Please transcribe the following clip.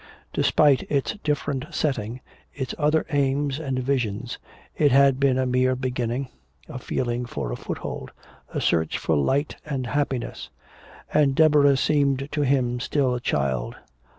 Despite its different setting, its other aims and visions, it had been a mere beginning, a feeling for a foothold, a search for light and happiness. And Deborah seemed to him still a child.